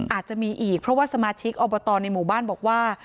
อาจจะมีอีกเพราะว่าสมาชิกอบตในหมู่บ้านบอกว่า